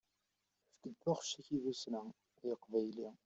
Efk-d taɣect-ik i tussna, ay aqbayli.